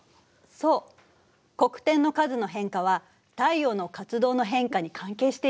そう黒点の数の変化は太陽の活動の変化に関係しているの。